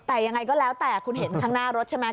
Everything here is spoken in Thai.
แต่ยังไงก็แล้วแต่คุณเห็นข้างหน้ารถใช่ไหม